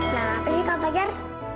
nah apa sih kakak pajar